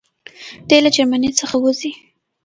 دی له جرمني څخه وځي.